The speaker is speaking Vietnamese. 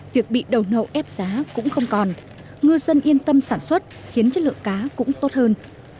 việc bị đầu nậu ép giá cũng không còn ngư dân yên tâm sản xuất khiến chất lượng cá cũng tốt hơn